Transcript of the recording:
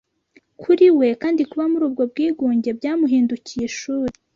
Kuri we kandi, kuba muri ubwo bwigunge byamuhindukiye ishuri